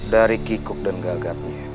dari kikuk dan gagapnya